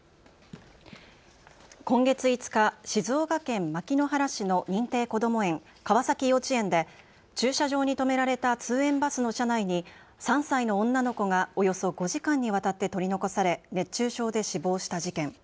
今月５日、静岡県牧之原市の認定こども園、川崎幼稚園で駐車場に止められた通園バスの車内に３歳の女の子がおよそ５時間にわたって取り残され熱中症で死亡した事件。